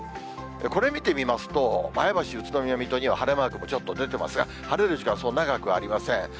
これ見てみますと、前橋、宇都宮、水戸には晴れマークがちょっと出てますが、晴れる時間、そう長くありません。